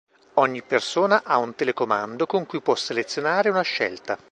Ogni persona ha un telecomando con cui può selezionare una scelta.